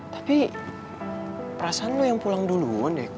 tapi perasaan lo yang pulang duluan deh